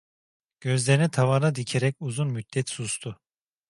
Gözlerini tavana dikerek uzun müddet sustu.